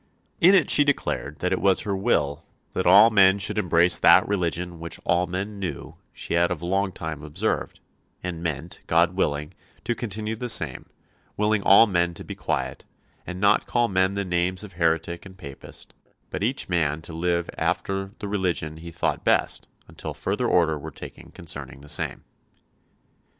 In it she declared that it was her will "that all men should embrace that religion which all men knew she had of long time observed, and meant, God willing, to continue the same; willing all men to be quiet, and not call men the names of heretick and papist, but each man to live after the religion he thought best until further order were taken concerning the same."